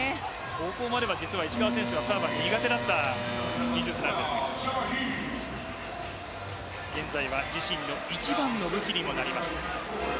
ここまで石川はサーブは苦手だった技術ですが現在は自身の一番の武器にもなりました。